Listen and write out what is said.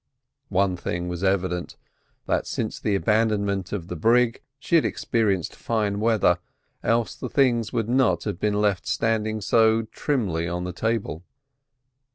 One thing was evident, that since the abandonment of the brig she had experienced fine weather, else the things would not have been left standing so trimly on the table.